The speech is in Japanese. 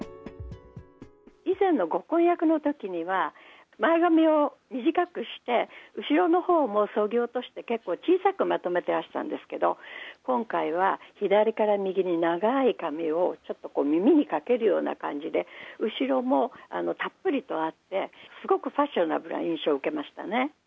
以前のご婚約のときには、前髪を短くして、後ろのほうもそぎ落として、結構小さくまとめてらしたんですけれども、今回は左から右に長い髪をちょっと耳にかけるような感じで、後ろもたっぷりとあって、すごくファッショナブルな印象を受けましたね。